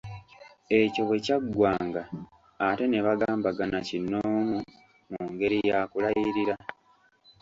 Ekyo bwe kyaggwanga ate ne bagambagana kinnoomu, mu ngeri ya kulayirira.